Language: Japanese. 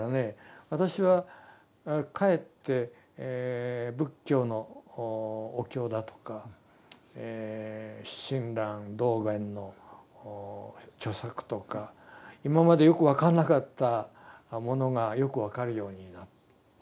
私はかえって仏教のお経だとか親鸞道元の著作とか今までよく分かんなかったものがよく分かるようになった。